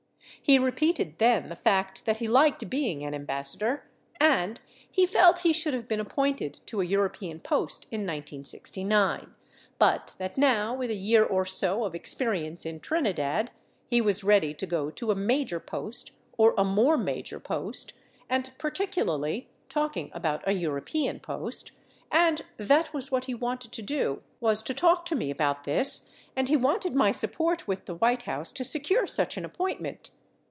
He repeated then the fact that he liked being an Ambassador, and he felt he should have been appointed to a European post in 1969, but that now with a year or so of experience in Trinidad, he was ready to go to a major post or a more major post, and particularly talking about a European post, and that was what he wanted to do was to talk to me about this and he wanted my support with the White House to secure such an appointment.